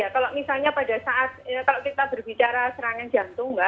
kalau misalnya pada saat kita berbicara serangan jantung